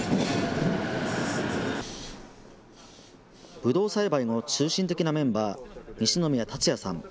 ぶどう栽培の中心的なメンバー、西宮竜也さん。